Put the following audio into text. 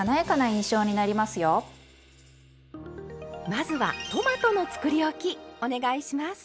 まずはトマトのつくりおきお願いします！